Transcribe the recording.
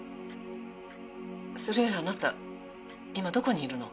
それよりあなた今どこにいるの？